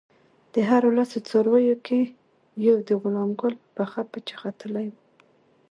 د هرو لسو څارویو کې یو د غلام ګل په پخه پچه ختلی وو.